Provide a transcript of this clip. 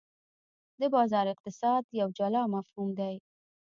د بازار اقتصاد یو جلا مفهوم دی.